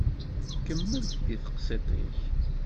Kemmel-d i teqsiṭ-ik.